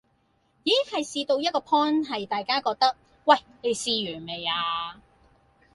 已經係試到一個 point 係大家覺得喂，你地試完未啊